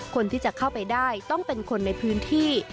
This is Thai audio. คนที่จะเข้าไปได้ต้องเป็นคนในพื้นที่